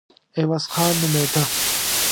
عوض خان نومېده.